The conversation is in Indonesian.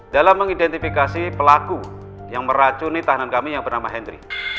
dalam mengidentifikasi pelaku yang meracuni tahanan kami yang bernama henry